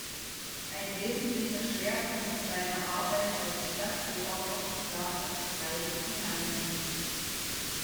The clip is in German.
Ein wesentlicher Schwerpunkt seiner Arbeit als Stadtoberhaupt lag im Bereich Finanzen.